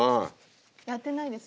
やってないですよね。